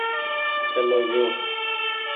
چلو جو ۔